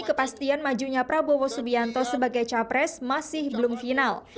kepastian majunya prabowo subianto sebagai capres masih belum final